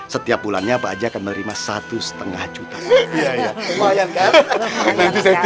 setiap bulannya apa aja akan menerima satu setengah juta ya ya ya ya ya ya ya ya ya